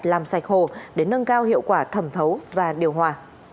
làm sạch hồ để nâng cao hiệu quả thẩm thấu và điều hòa